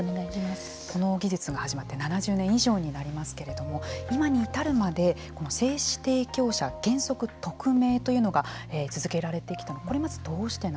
この技術が始まって７０年以上になりますけれども今に至るまで精子提供者原則匿名というのが続けられてきた。